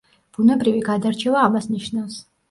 ბუნებრივი გადარჩევა ამას ნიშნავს.